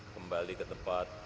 kembali ke tempat